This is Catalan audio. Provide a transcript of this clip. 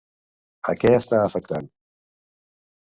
A què està afectant?